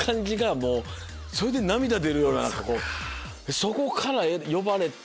そこから呼ばれて。